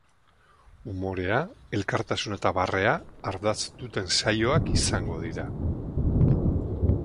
Umorea, elkartasuna eta barrea ardatz duten saioak izango dira.